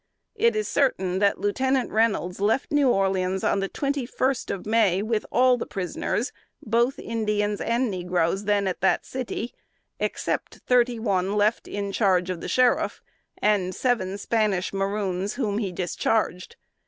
It is certain that Lieutenant Reynolds left New Orleans on the twenty first of May with all the prisoners, both Indians and negroes then at that city, except thirty one left in charge of the sheriff, and seven Spanish maroons, whom he discharged.